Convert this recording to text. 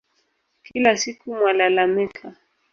Kila siku mwalalamika